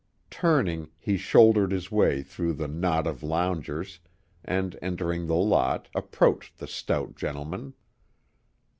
Turning, he shouldered his way through the knot of loungers, and entering the lot, approached the stout gentleman.